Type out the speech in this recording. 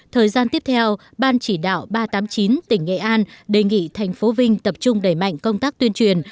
thời gian tiếp theo ban chỉ đạo ba trăm tám mươi chín tỉnh nghệ an đề nghị thành phố vinh tập trung đẩy mạnh công tác tuyên truyền